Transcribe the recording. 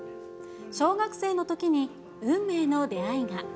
小学生のときに、運命の出会いが。